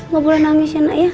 gak boleh nangis ya nak ya